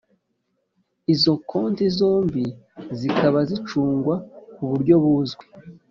izo konti zombi zikaba zicungwa kuburyo buzwi